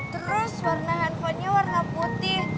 terus warna handphonenya warna putih